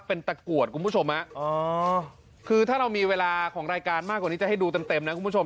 เป็นตะกรวดคุณผู้ชมฮะอ๋อคือถ้าเรามีเวลาของรายการมากกว่านี้จะให้ดูเต็มนะคุณผู้ชม